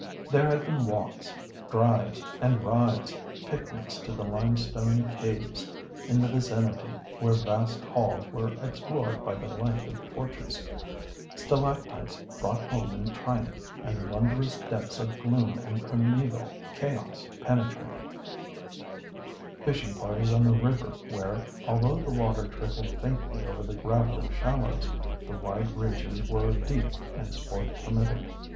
There had been walks, drives and rides, picnics to the limestone caves in the vicinity, where vast halls were explored by the light of torches, stalactites brought home in triumph, and wondrous depths of gloom and primæval chaos penetrated; fishing parties on the river, where, although the water trickled faintly over the gravelly shallows, the wide reaches were deep and sport permitting.